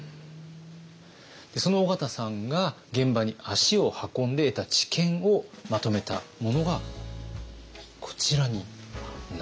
その緒方さんが現場に足を運んで得た知見をまとめたものがこちらになります。